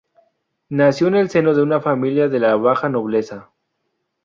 Nació en el seno de una familia de la baja nobleza.